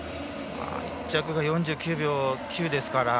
１着が４９秒９ですから。